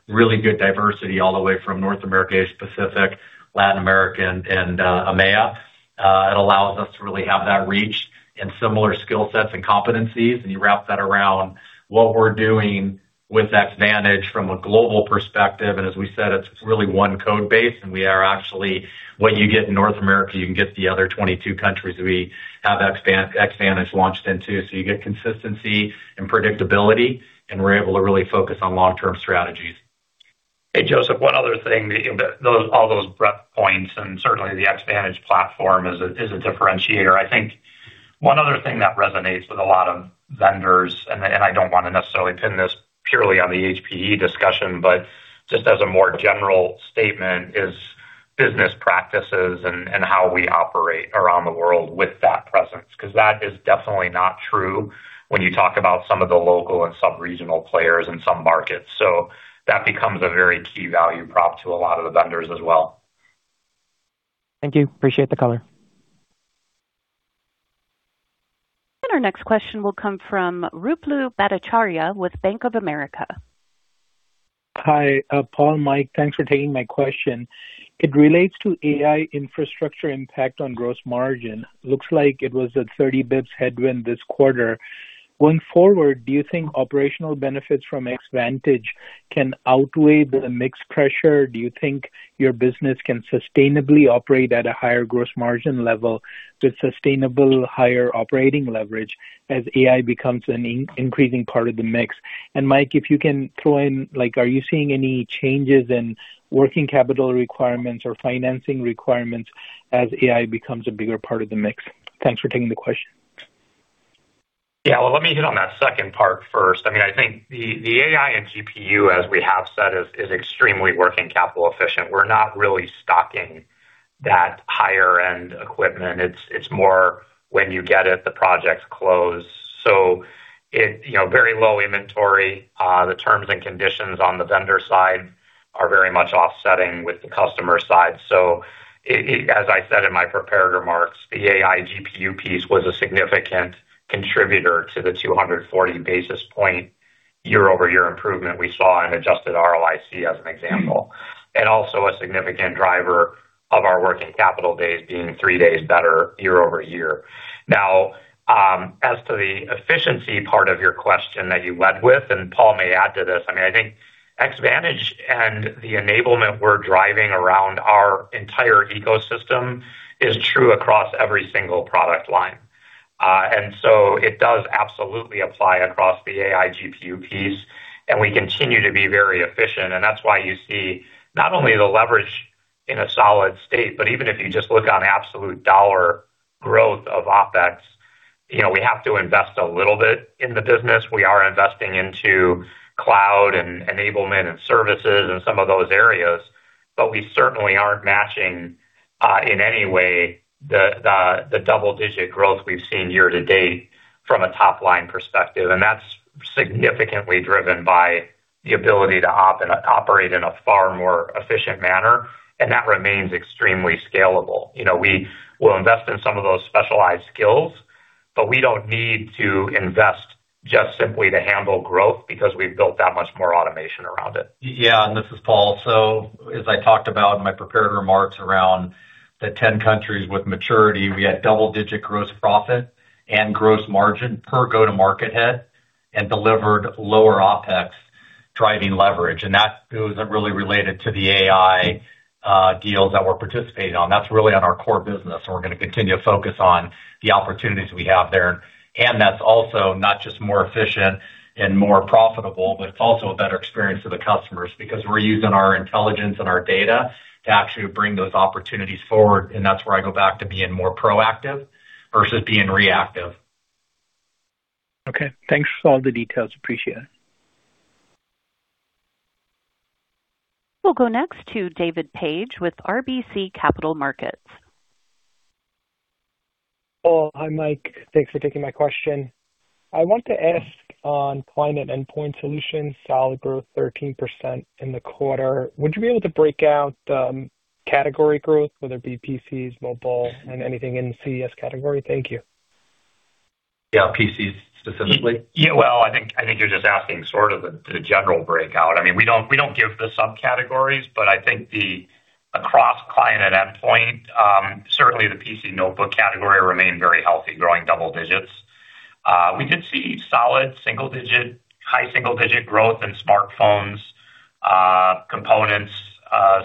C: really good diversity all the way from North America, Asia Pacific, Latin America, and EMEA. It allows us to really have that reach and similar skill sets and competencies, and you wrap that around what we're doing with Xvantage from a global perspective. As we said, it's really one code base, and we are actually, what you get in North America, you can get the other 22 countries we have Xvantage launched into. You get consistency and predictability, and we're able to really focus on long-term strategies.
D: Hey, Joseph, one other thing. All those breadth points and certainly the Xvantage platform is a differentiator. I think one other thing that resonates with a lot of vendors, I don't want to necessarily pin this purely on the HPE discussion, but just as a more general statement, is business practices and how we operate around the world with that presence. That is definitely not true when you talk about some of the local and sub-regional players in some markets. That becomes a very key value prop to a lot of the vendors as well.
G: Thank you. Appreciate the color.
A: Our next question will come from Ruplu Bhattacharya with Bank of America.
H: Hi, Paul, Mike, thanks for taking my question. It relates to AI infrastructure impact on gross margin. Looks like it was at 30 basis points headwind this quarter. Going forward, do you think operational benefits from Xvantage can outweigh the mix pressure? Do you think your business can sustainably operate at a higher gross margin level with sustainable higher operating leverage as AI becomes an increasing part of the mix? Mike, if you can throw in, are you seeing any changes in working capital requirements or financing requirements as AI becomes a bigger part of the mix? Thanks for taking the question.
D: Yeah. Well, let me hit on that second part first. I think the AI and GPU, as we have said, is extremely working capital efficient. We're not really stocking that higher-end equipment. It's more when you get it, the projects close. Very low inventory. On the terms and condition on the vendor side are very much off setting with the customer side. As I said in my prepared remarks, the AI GPU piece was a significant contributor to the 240 basis points year-over-year improvement we saw in adjusted ROIC as an example, and also a significant driver of our working capital days being three days better year-over-year. As to the efficiency part of your question that you led with, Paul may add to this, I think Xvantage and the enablement we're driving around our entire ecosystem is true across every single product line. It does absolutely apply across the AI GPU piece, and we continue to be very efficient. That's why you see not only the leverage in a solid state, but even if you just look on absolute dollar growth of OpEx, we have to invest a little bit in the business. We are investing into cloud and enablement and services and some of those areas, but we certainly aren't matching, in any way, the double-digit growth we've seen year-to-date from a top-line perspective. That's significantly driven by the ability to operate in a far more efficient manner, and that remains extremely scalable. We will invest in some of those specialized skills, but we don't need to invest just simply to handle growth because we've built that much more automation around it.
C: This is Paul. As I talked about in my prepared remarks around the 10 countries with maturity, we had double-digit gross profit and gross margin per go-to-market head and delivered lower OpEx driving leverage. That wasn't really related to the AI deals that we're participating on. That's really on our core business, and we're going to continue to focus on the opportunities we have there. That's also not just more efficient and more profitable, but it's also a better experience for the customers because we're using our intelligence and our data to actually bring those opportunities forward. That's where I go back to being more proactive versus being reactive.
H: Okay. Thanks for all the details. Appreciate it.
A: We'll go next to David Paige with RBC Capital Markets.
I: Paul, hi, Mike. Thanks for taking my question. I want to ask on Client Endpoint Solutions, solid growth, 13% in the quarter. Would you be able to break out the category growth, whether it be PCs, mobile, and anything in the CES category? Thank you.
C: Yeah, PCs specifically?
D: Yeah. Well, I think you're just asking sort of the general breakout. We don't give the subcategories, but I think across Client and Endpoint, certainly the PC notebook category remained very healthy, growing double digits. We did see solid single digit, high single digit growth in smartphones components.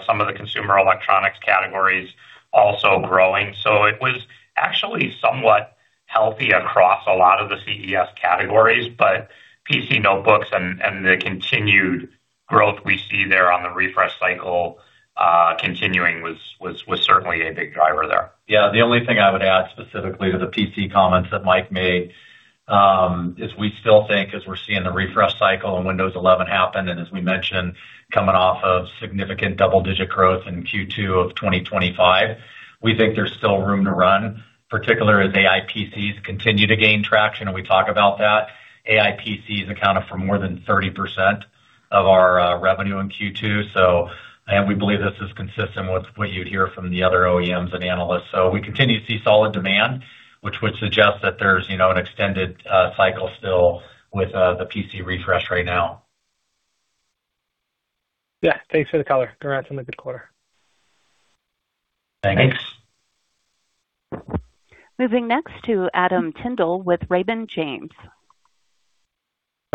D: Some of the consumer electronics categories also growing. It was actually somewhat healthy across a lot of the CES categories, but PC notebooks and the continued growth we see there on the refresh cycle continuing was certainly a big driver there.
C: Yeah. The only thing I would add specifically to the PC comments that Mike made, is we still think as we're seeing the refresh cycle and Windows 11 happen, and as we mentioned, coming off of significant double-digit growth in Q2 of 2025, we think there's still room to run, particularly as AI PCs continue to gain traction, and we talk about that. AI PCs accounted for more than 30% of our revenue in Q2. We believe this is consistent with what you'd hear from the other OEMs and analysts. We continue to see solid demand, which would suggest that there's an extended cycle still with the PC refresh right now.
I: Yeah, thanks for the color. Congrats on the good quarter.
D: Thanks.
C: Thanks.
A: Moving next to Adam Tindle with Raymond James.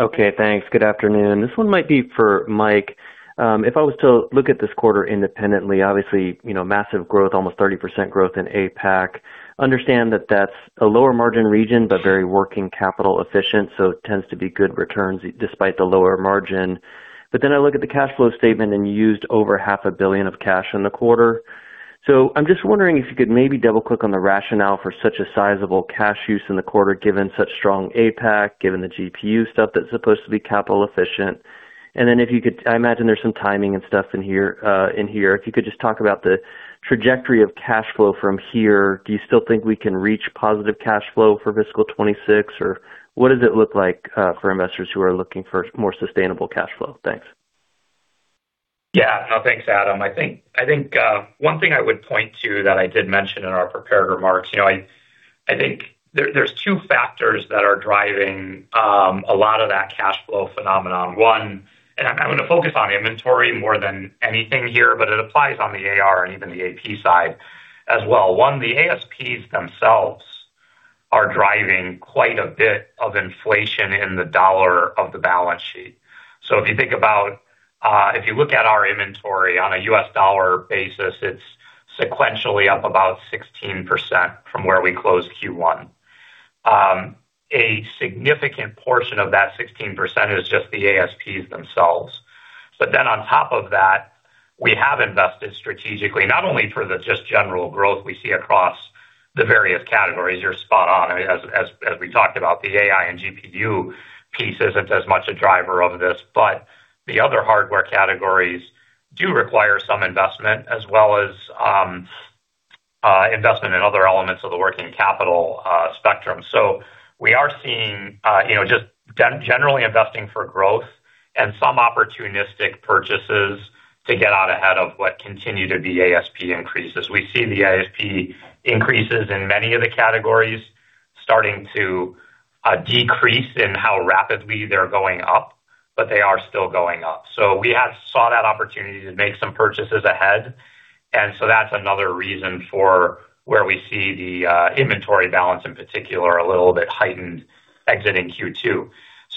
J: Okay, thanks. Good afternoon. This one might be for Mike. If I was to look at this quarter independently, obviously, massive growth, almost 30% growth in APAC. Understand that that's a lower margin region, but very working capital efficient, so it tends to be good returns despite the lower margin. I look at the cash flow statement, and you used over half a billion of cash in the quarter. I'm just wondering if you could maybe double-click on the rationale for such a sizable cash use in the quarter, given such strong APAC, given the GPU stuff that's supposed to be capital efficient. If you could, I imagine there's some timing and stuff in here. If you could just talk about the trajectory of cash flow from here. Do you still think we can reach positive cash flow for FY 2026? What does it look like for investors who are looking for more sustainable cash flow? Thanks.
D: Thanks, Adam. One thing I would point to that I did mention in our prepared remarks, I think there's two factors that are driving a lot of that cash flow phenomenon. One, and I'm going to focus on inventory more than anything here, but it applies on the AR and even the AP side as well. One, the ASPs themselves are driving quite a bit of inflation in the dollar of the balance sheet. If you look at our inventory on a U.S. dollar basis, it's sequentially up about 16% from where we closed Q1. A significant portion of that 16% is just the ASPs themselves. On top of that, we have invested strategically, not only for the just general growth we see across the various categories. You're spot on. As we talked about, the AI and GPU piece isn't as much a driver of this, but the other hardware categories do require some investment as well as investment in other elements of the working capital spectrum. We are seeing just generally investing for growth and some opportunistic purchases to get out ahead of what continue to be ASP increases. We see the ASP increases in many of the categories starting to decrease in how rapidly they're going up, but they are still going up. We have sought that opportunity to make some purchases ahead, and that's another reason for where we see the inventory balance in particular, a little bit heightened exiting Q2.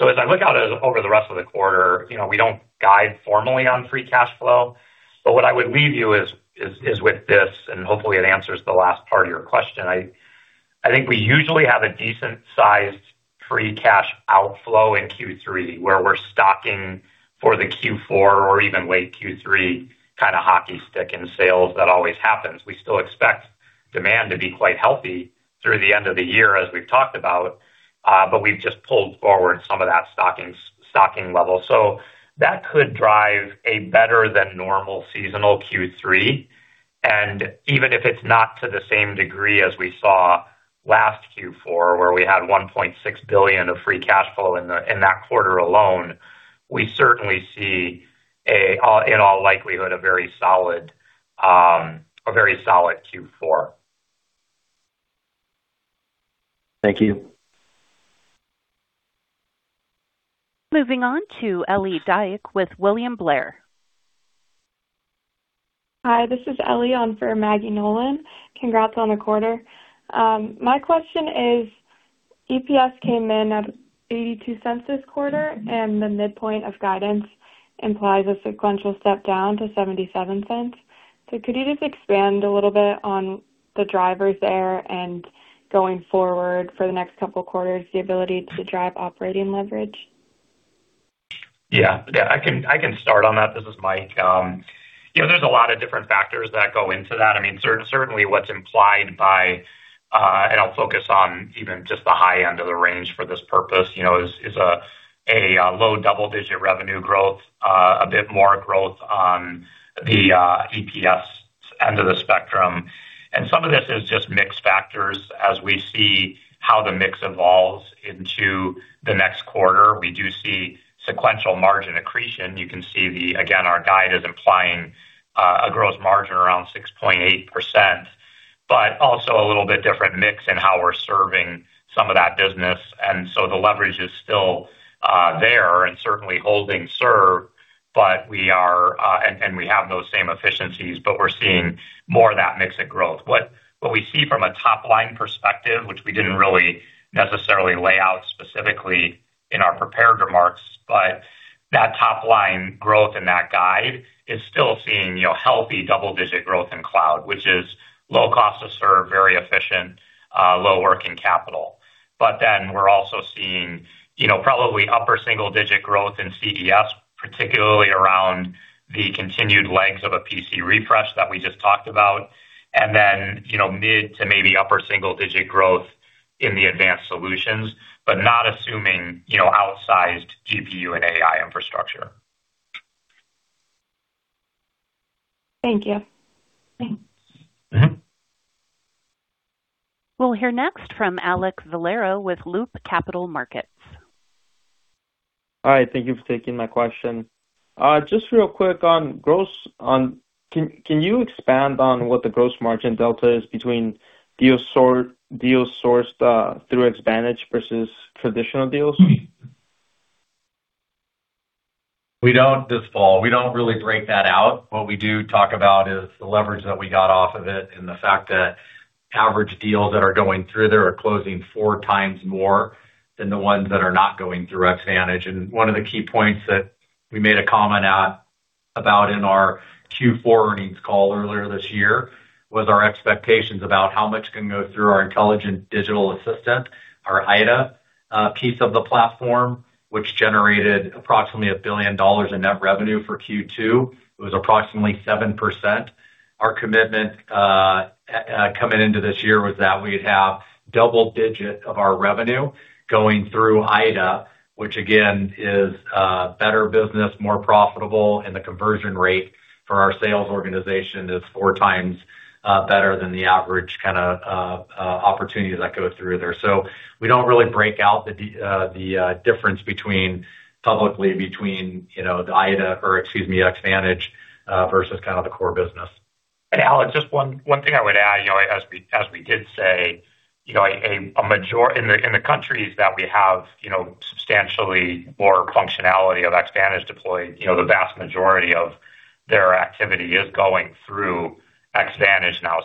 D: As I look out over the rest of the quarter, we don't guide formally on free cash flow. What I would leave you is with this, and hopefully it answers the last part of your question. We usually have a decent-sized free cash outflow in Q3, where we're stocking for the Q4 or even late Q3 hockey stick in sales. That always happens. We still expect demand to be quite healthy through the end of the year, as we've talked about. We've just pulled forward some of that stocking level. That could drive a better than normal seasonal Q3. Even if it's not to the same degree as we saw last Q4, where we had $1.6 billion of free cash flow in that quarter alone, we certainly see, in all likelihood, a very solid Q4.
J: Thank you.
A: Moving on to Ellie Dyke with William Blair.
K: Hi, this is Ellie on for Maggie Nolan. Congrats on the quarter. My question is, EPS came in at $0.82 this quarter, and the midpoint of guidance implies a sequential step down to $0.77. Could you just expand a little bit on the drivers there and going forward for the next couple quarters, the ability to drive operating leverage?
D: Yeah. I can start on that. This is Mike. There's a lot of different factors that go into that. Certainly, what's implied by, and I'll focus on even just the high end of the range for this purpose, is a low double-digit revenue growth, a bit more growth on the EPS end of the spectrum. Some of this is just mix factors as we see how the mix evolves into the next quarter. We do see sequential margin accretion. You can see, again, our guide is implying a gross margin around 6.8%, but also a little bit different mix in how we're serving some of that business. The leverage is still there and certainly holding serve, and we have those same efficiencies, but we're seeing more of that mix at growth. What we see from a top-line perspective, which we didn't really necessarily lay out specifically in our prepared remarks, that top-line growth and that guide is still seeing healthy double-digit growth in Cloud, which is low cost to serve, very efficient, low working capital. We're also seeing probably upper single-digit growth in CES, particularly around the continued legs of a PC refresh that we just talked about. Mid to maybe upper single-digit growth in the Advanced Solutions, but not assuming outsized GPU and AI infrastructure.
K: Thank you.
A: We'll hear next from Alek Valero with Loop Capital Markets.
L: Hi, thank you for taking my question. Just real quick on gross. Can you expand on what the gross margin delta is between deals sourced through Xvantage versus traditional deals?
C: We don't really break that out. What we do talk about is the leverage that we got off of it, and the fact that average deals that are going through there are closing four times more than the ones that are not going through Xvantage. One of the key points that we made a comment at about in our Q4 earnings call earlier this year was our expectations about how much can go through our Intelligent Digital Assistant, our IDA, piece of the platform, which generated approximately $1 billion in net revenue for Q2. It was approximately 7%. Our commitment coming into this year was that we'd have double digit of our revenue going through IDA, which again is better business, more profitable, and the conversion rate for our sales organization is four times better than the average kind of opportunity that goes through there. We don't really break out the difference publicly between the IDA, or excuse me, Xvantage, versus the core business.
D: Alek, just one thing I would add. As we did say, in the countries that we have substantially more functionality of Xvantage deployed, the vast majority of their activity is going through Xvantage now.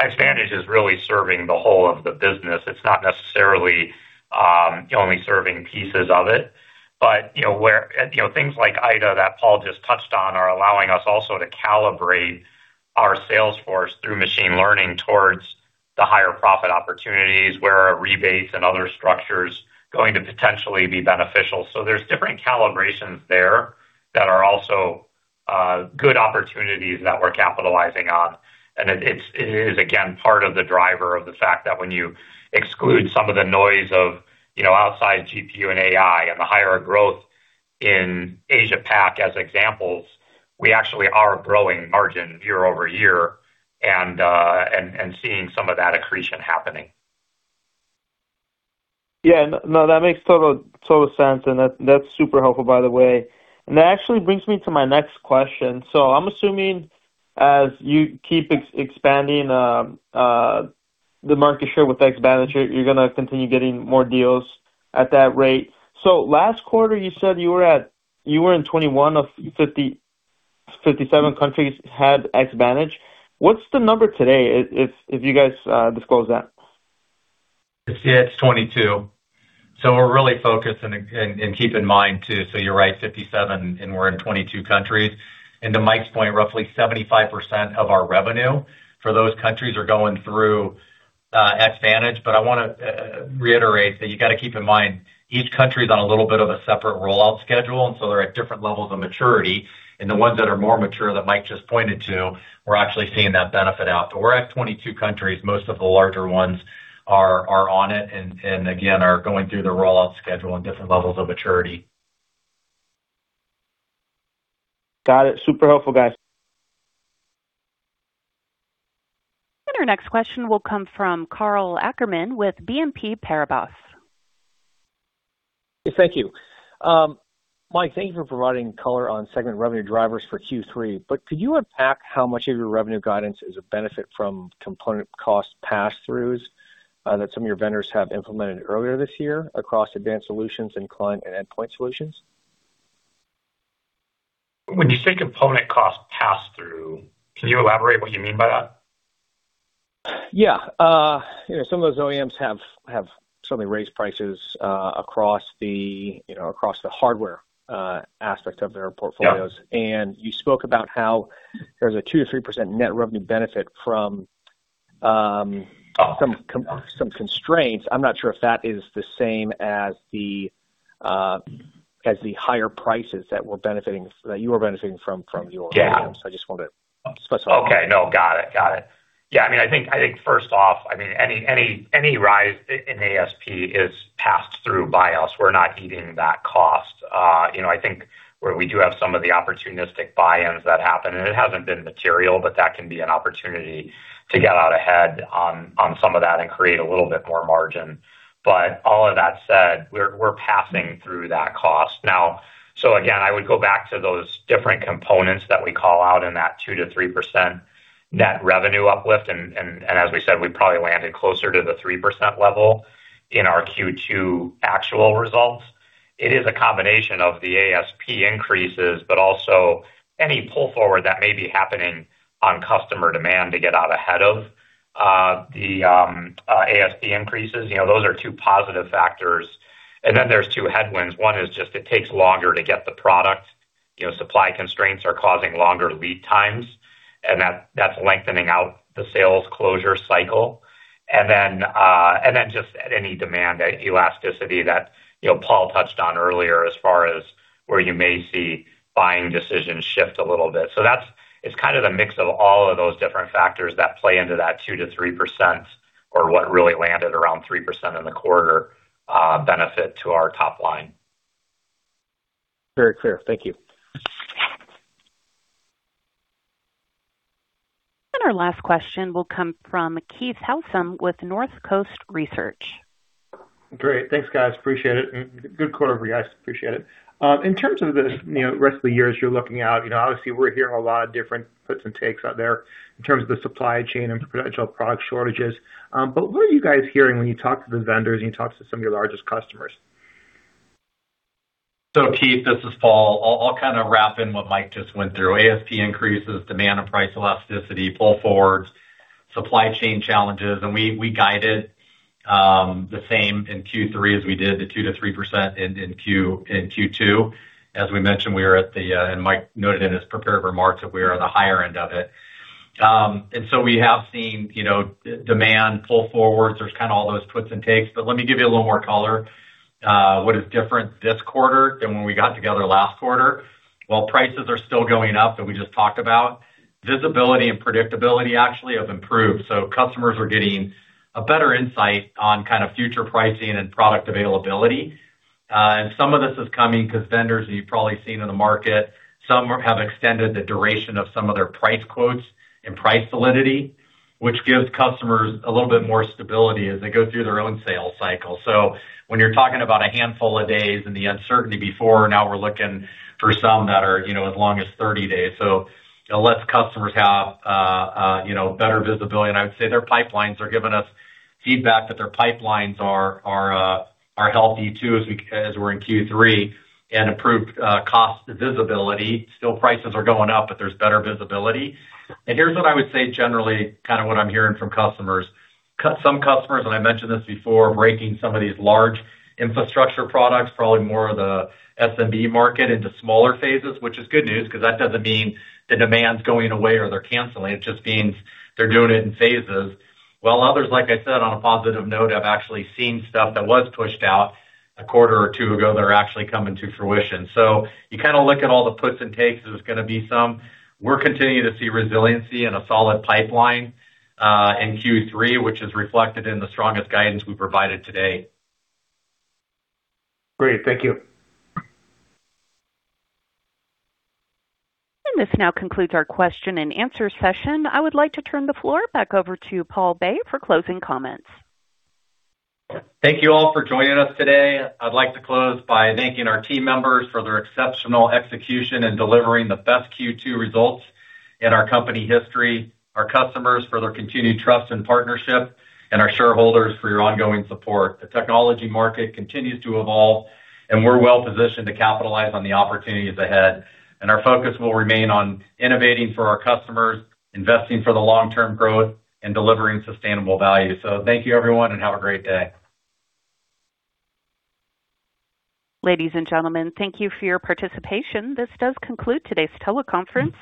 D: Xvantage is really serving the whole of the business. It's not necessarily only serving pieces of it. Things like IDA, that Paul just touched on, are allowing us also to calibrate our sales force through machine learning towards the higher profit opportunities, where a rebate and other structure's going to potentially be beneficial. There's different calibrations there that are also good opportunities that we're capitalizing on. It is, again, part of the driver of the fact that when you exclude some of the noise of outside GPU and AI and the higher growth in Asia PAC as examples, we actually are growing margin year-over-year and seeing some of that accretion happening.
L: Yeah. No, that makes total sense. That's super helpful, by the way. That actually brings me to my next question. I'm assuming as you keep expanding the market share with Xvantage, you're going to continue getting more deals at that rate. Last quarter you said you were in 21 of 57 countries had Xvantage. What's the number today, if you guys disclose that?
C: It's 22. We're really focused, and keep in mind too, you're right, 57 and we're in 22 countries. To Mike's point, roughly 75% of our revenue for those countries are going through Xvantage. I want to reiterate that you got to keep in mind each country's on a little bit of a separate rollout schedule, and so they're at different levels of maturity. The ones that are more mature that Mike just pointed to, we're actually seeing that benefit out. We're at 22 countries. Most of the larger ones are on it, and again, are going through the rollout schedule and different levels of maturity.
L: Got it. Super helpful, guys.
A: Our next question will come from Karl Ackerman with BNP Paribas.
M: Thank you. Mike, thank you for providing color on segment revenue drivers for Q3. Could you unpack how much of your revenue guidance is a benefit from component cost passthroughs that some of your vendors have implemented earlier this year across Advanced Solutions and Client and Endpoint Solutions?
D: When you say component cost passthrough, can you elaborate what you mean by that?
M: Some of those OEMs have certainly raised prices across the hardware aspect of their portfolios.
D: Yeah.
M: You spoke about how there's a 2%-3% net revenue benefit from-
D: Oh.
M: some constraints. I'm not sure if that is the same as the higher prices that you are benefiting from your-
D: Yeah.
M: OEMs. I just wanted to specify.
D: Okay. No, got it. I think first off, any rise in ASP is passed through by us. We're not eating that cost. I think where we do have some of the opportunistic buy-ins that happen, and it hasn't been material, that can be an opportunity to get out ahead on some of that and create a little bit more margin. All of that said, we're passing through that cost. Again, I would go back to those different components that we call out in that 2%-3% net revenue uplift. As we said, we probably landed closer to the 3% level in our Q2 actual results. It is a combination of the ASP increases, but also any pull forward that may be happening on customer demand to get out ahead of the ASP increases. Those are two positive factors. Then there's two headwinds. One is just, it takes longer to get the product. Supply constraints are causing longer lead times, and that's lengthening out the sales closure cycle. Then just any demand elasticity that Paul touched on earlier, as far as where you may see buying decisions shift a little bit. That's kind of the mix of all of those different factors that play into that 2%-3%, or what really landed around 3% in the quarter benefit to our top line.
M: Very clear. Thank you.
A: Our last question will come from Keith Housum with North Coast Research.
N: Great. Thanks, guys. Appreciate it, and good quarter for you guys. Appreciate it. In terms of the rest of the years you're looking out, obviously we're hearing a lot of different puts and takes out there in terms of the supply chain and potential product shortages. What are you guys hearing when you talk to the vendors and you talk to some of your largest customers?
C: Keith, this is Paul. I'll kind of wrap in what Mike just went through. ASP increases, demand and price elasticity, pull forwards, supply chain challenges, and we guided the same in Q3 as we did, the 2%-3% in Q2. As we mentioned, and Mike noted in his prepared remarks, that we are on the higher end of it. We have seen demand pull forwards. There's kind of all those puts and takes, let me give you a little more color. What is different this quarter than when we got together last quarter, while prices are still going up that we just talked about, visibility and predictability actually have improved. Customers are getting a better insight on kind of future pricing and product availability. Some of this is coming because vendors, as you've probably seen in the market, some have extended the duration of some of their price quotes and price solidity, which gives customers a little bit more stability as they go through their own sales cycle. When you're talking about a handful of days and the uncertainty before, now we're looking for some that are as long as 30 days. It lets customers have better visibility, and I would say their pipelines are giving us feedback that their pipelines are healthy too as we're in Q3, and improved cost visibility. Still prices are going up, but there's better visibility. Here's what I would say generally, kind of what I'm hearing from customers. Some customers, I mentioned this before, breaking some of these large infrastructure products, probably more of the SMB market into smaller phases, which is good news because that doesn't mean the demand's going away or they're canceling. It just means they're doing it in phases. While others, like I said, on a positive note, have actually seen stuff that was pushed out a quarter or two ago that are actually coming to fruition. You kind of look at all the puts and takes, there's going to be some. We're continuing to see resiliency and a solid pipeline in Q3, which is reflected in the strongest guidance we've provided today.
N: Great. Thank you.
A: This now concludes our question and answer session. I would like to turn the floor back over to Paul Bay for closing comments.
C: Thank you all for joining us today. I'd like to close by thanking our team members for their exceptional execution in delivering the best Q2 results in our company history, our customers for their continued trust and partnership, and our shareholders for your ongoing support. The technology market continues to evolve, and we're well positioned to capitalize on the opportunities ahead. Our focus will remain on innovating for our customers, investing for the long-term growth, and delivering sustainable value. Thank you everyone, and have a great day.
A: Ladies and gentlemen, thank you for your participation. This does conclude today's teleconference.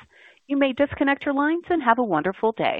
A: You may disconnect your lines, and have a wonderful day